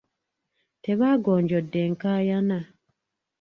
Tebaagonjodde nkaayana.